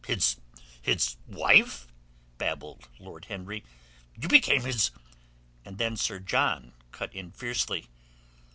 his wife?" babbled Lord Henry. "You became his...." And then Sir John cut in fiercely.